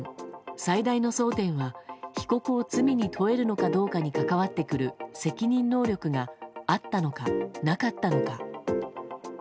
最大の争点は被告を罪に問えるのかどうかに関わってくる責任能力があったのか、なかったのか。